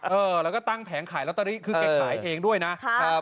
เออแล้วก็ตั้งแผงขายลอตเตอรี่คือแกขายเองด้วยนะครับ